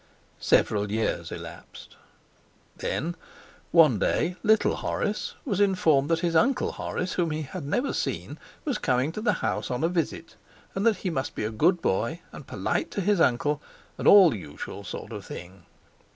Several years elapsed. Then one day little Horace was informed that his uncle Horace, whom he had never seen, was coming to the house on a visit, and that he must be a good boy, and polite to his uncle, and all the usual sort of thing.